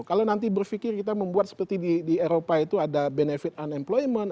kalau nanti berpikir kita membuat seperti di eropa itu ada benefit unemployment